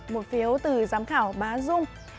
một phiếu từ giám khảo bá dung